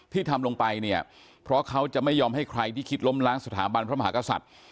ทำลงไปเนี่ยเพราะเขาจะไม่ยอมให้ใครที่คิดล้มล้างสถาบันพระมหากษัตริย์